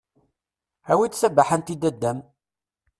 Awi-d tabaḥant i dada-m!